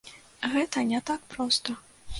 Гэта не так проста.